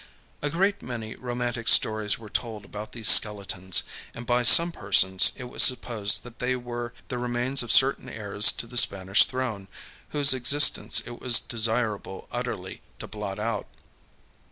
A great many romantic stories were told about these skeletons, and by some persons it was supposed that they were the remains of certain heirs to the Spanish throne whose existence it was desirable utterly to blot out.